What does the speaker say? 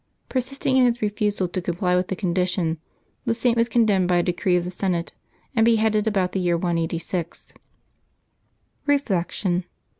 Persisting in his refusal to comply with the condition, the Saint was condemned by a decree of the Senate, and be headed about' the year 186. Reflection.